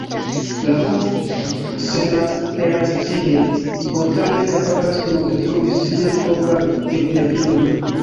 La homo senapelacie, spontane kapablas nur detrui sian propran vivmedion.